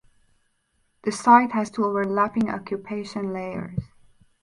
The site has two overlapping occupation layers.